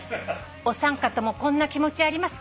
「お三方もこんな気持ちありますか？」